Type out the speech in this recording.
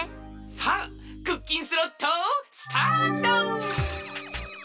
さあクッキンスロットスタート！